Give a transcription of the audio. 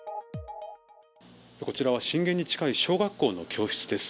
こちらは震源に近い小学校の教室です。